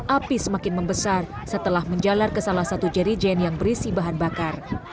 api semakin membesar setelah menjalar ke salah satu jerijen yang berisi bahan bakar